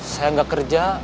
saya gak kerja